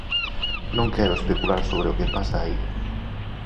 Non quero especular sobre o que pasa aí.